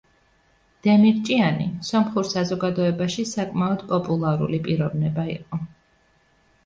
დემირჭიანი სომხურ საზოგადოებაში საკმაოდ პოპულარული პიროვნება იყო.